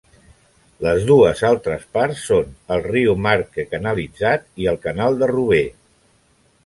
Les dues altres parts són el riu Marque canalitzat i el Canal de Roubaix.